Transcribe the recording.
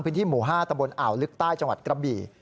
พื้นที่หมู่๕ตำบลอ่าวลึกใต้จังหวัดกระบี่